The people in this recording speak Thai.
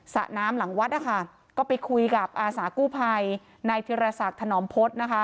ระน้ำหลังวัดนะคะก็ไปคุยกับอาสากู้ภัยนายธิรษักถนอมพฤษนะคะ